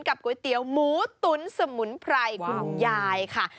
ก๋วยเตี๋ยวหมูตุ๋นสมุนไพรคุณยายค่ะ